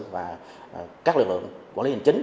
và các lực lượng quản lý hình chính